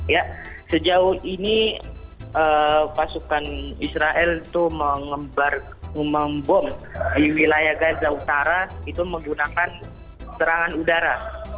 ya sejauh ini pasukan israel itu membom di wilayah gaza utara itu menggunakan serangan udara